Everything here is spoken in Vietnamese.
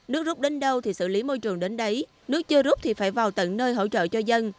nước rút đến đâu thì xử lý môi trường đến đấy nước chưa rút thì phải vào tận nơi hỗ trợ cho dân